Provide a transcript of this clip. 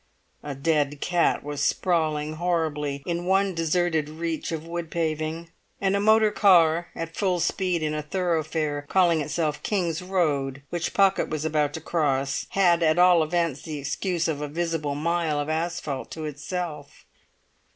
A dead cat was sprawling horribly in one deserted reach of wood paving. And a motor car at full speed in a thoroughfare calling itself King's Road, which Pocket was about to cross, had at all events the excuse of a visible mile of asphalt to itself.